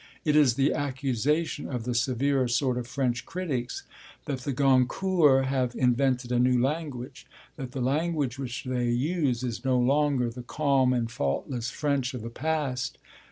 It is the accusation of the severer sort of French critics that the Goncourts have invented a new language; that the language which they use is no longer the calm and faultless French of the past.